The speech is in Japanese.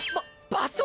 場所